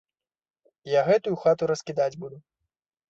Я гэтую хату раскідаць буду.